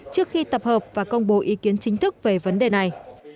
trước khi tập hợp và công bố ý kiến chính thức về vấn đề này